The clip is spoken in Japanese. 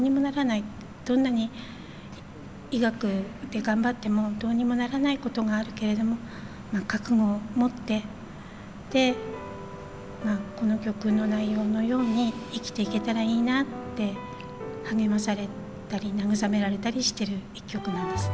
どんなに医学で頑張ってもどうにもならないことがあるけれども覚悟を持ってこの曲の内容のように生きていけたらいいなって励まされたり慰められたりしてる一曲なんですね。